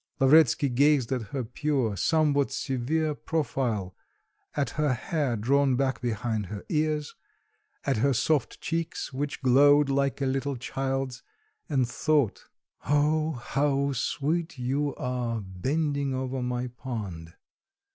Lavretsky gazed at her pure, somewhat severe profile, at her hair drawn back behind her ears, at her soft cheeks, which glowed like a little child's, and thought, "Oh, how sweet you are, bending over my pond!"